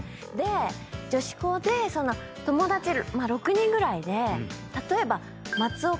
女子校で友達６人ぐらいで例えば。